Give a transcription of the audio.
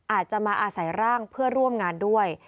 อาจจะมาอาศัยร่างเพื่อร่วมงานด้วย